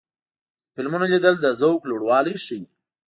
د فلمونو لیدل د ذوق لوړوالی ښيي.